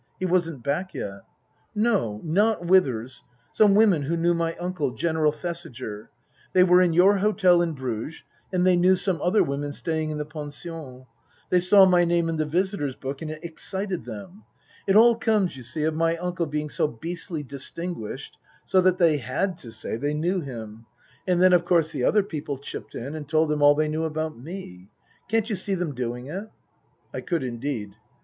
He wasn't back yet. " No. Not Withers. Some women who knew my uncle, General Thesiger. They were in your hotel in Bruges, and they knew some other women staying in the pension. They saw my name in the visitors' book and it excited them. It all comes, you see, of my uncle being so beastly distinguished, so that they had to say they knew him. And then of course the other people chipped in and told them all they knew about me. Can't you see them doing it?" I could indeed.